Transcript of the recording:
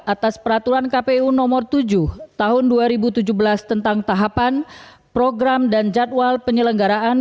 atas peraturan kpu nomor tujuh tahun dua ribu tujuh belas tentang tahapan program dan jadwal penyelenggaraan